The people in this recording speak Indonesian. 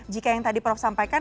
jika yang tadi prof sampaikan